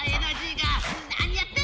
何やってんだい！